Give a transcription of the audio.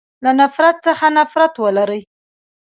له نفرت څخه نفرت ولری.